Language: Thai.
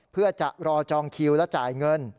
เพื่อจะรอจองคิวและจ่ายเงิน